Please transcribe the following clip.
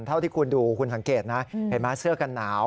เท่าที่คุณดูคุณสังเกตนะเห็นไหมเสื้อกันหนาว